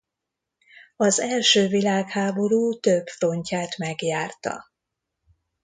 Az első világháború több frontját megjárta.